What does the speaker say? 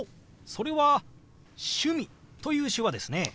それは「趣味」という手話ですね。